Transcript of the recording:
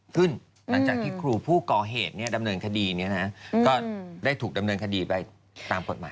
หลังจากที่ครูผู้ก่อเหตุดำเนินคดีก็ได้ถูกดำเนินคดีไปตามกฎหมาย